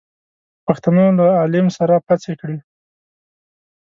پښتنو له عليم سره پڅې کړې.